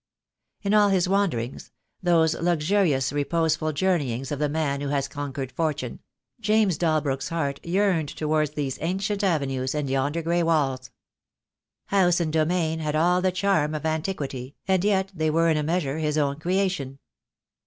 In all his wanderings — those luxurious reposeful journeyings of the man who has con quered fortune — James Dalbrook's heart yearned towards these ancient avenues and yonder grey walls. House and domain had all the charm of antiquity, and yet they were in a measure his own creation.